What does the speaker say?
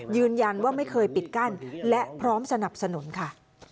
ไม่เคยปิดกั้นและพร้อมสนับสนุนค่ะ